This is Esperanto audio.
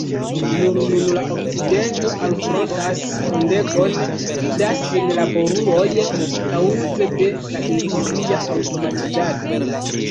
Nur nun la okcidento alfrontas ondegon da senlaboruloj kaŭze de la industria aŭtomatiĝado.